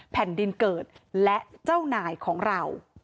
แผ่นดินเกิดและเจ้านายของเรา